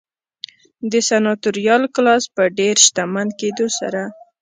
د سناتوریال کلاس په ډېر شتمن کېدو سره